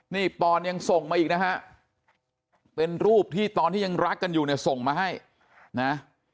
นี่ปอนยังส่งมาอีกนะฮะเป็นรูปที่ตอนที่ยังรักกันอยู่เนี่ยส่งมาให้นะ